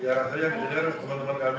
ya saya pikirkan teman teman kami adil